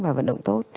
và vận động tốt